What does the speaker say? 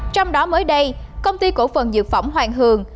trong đó mới đây công ty cổ phần dược phẩm hoàng hường